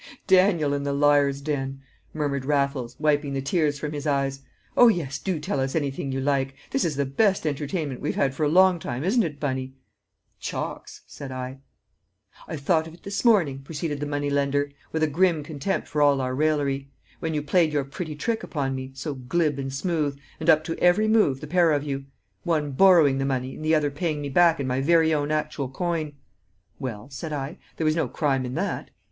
"Daniel in the liars' den," murmured Raffles, wiping the tears from his eyes. "Oh, yes, do tell us anything you like; this is the best entertainment we've had for a long time, isn't it, Bunny?" "Chalks!" said I. "I thought of it this morning," proceeded the money lender, with a grim contempt for all our raillery, "when you played your pretty trick upon me, so glib and smooth, and up to every move, the pair of you! One borrowing the money, and the other paying me back in my very own actual coin!" "Well," said I, "there was no crime in that."